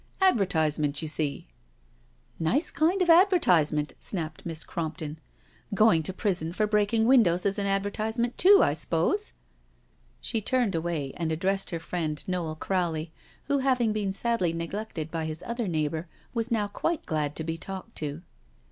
Advertisement, you seel" " Nice kind of advertisement," snapped Miss Cromp ton. " Going to prison for breaking windows is an advertisement too, I suppose?" She turned away and addressed her friend Noel Crowley, who having been sadly neglected by his other neighbour was now quite glad to be talked to.